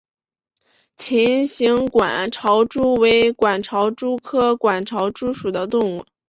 琴形管巢蛛为管巢蛛科管巢蛛属的动物。